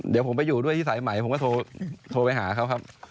เดี๋ยวผมไปอยู่ด้วยที่สายใหม่ผมก็โทรไปหาเขาครับ